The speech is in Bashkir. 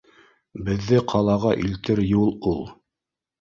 Беҙҙе ҡалаға илтер юл ул.